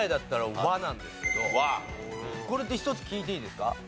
これって１つ聞いていいですか？